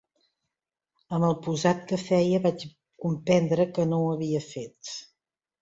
Amb el posat que feia vaig comprendre que no ho havia fet.